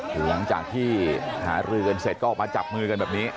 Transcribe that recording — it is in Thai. หลังจากที่หารือกันเสร็จก็ออกมาจับมือกันแบบนี้